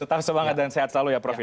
tetap semangat dan sehat selalu ya prof